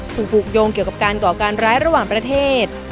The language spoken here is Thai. ถูกผูกโยงเกี่ยวกับการก่อการร้ายระหว่างประเทศ